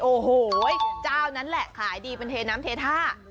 โอ้โหเจ้านั้นแหละขายดีเป็นเทน้ำเทท่า